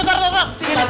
sekiranya lu nongce gak